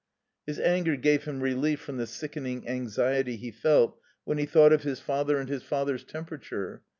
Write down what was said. His anger gave him relief from the sickening anxiety he felt when he thought of his father and his father's temperature.